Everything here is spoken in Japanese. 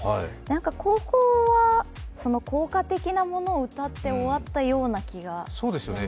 高校は校歌的なものを歌って終わったような気がしていますね。